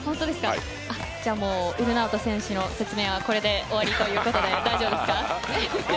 もう、ウルナウト選手の説明はこれで終わりということで大丈夫ですか。